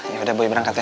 ya udah boy berangkat ya